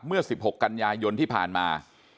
เมื่อสิบหกกัญญายนที่ผ่านมา